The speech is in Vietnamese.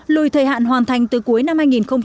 lùi thời hạn hoàn thành từ cuối năm hai nghìn hai mươi